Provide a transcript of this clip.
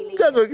oh enggak juga